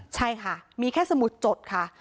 ใช่ค่ะมีแค่สมุดจดค่ะ